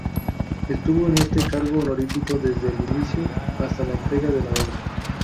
Estuvo en este cargo honorífico desde el inicio hasta la entrega de la obra.